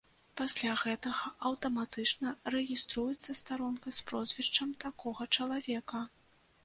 Пасля гэтага аўтаматычна рэгіструецца старонка з прозвішчам такога чалавека.